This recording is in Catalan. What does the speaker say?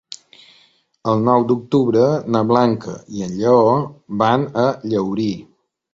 El nou d'octubre na Blanca i en Lleó van a Llaurí.